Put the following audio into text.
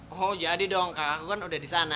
oh jadi dong kakak aku kan udah di sana